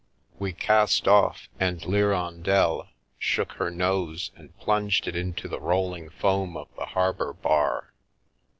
We cast off, and L'Hirondelle shook her nose and plunged it into the rolling foam of the harbour bar.